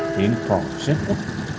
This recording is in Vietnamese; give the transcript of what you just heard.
hiện còn rất ít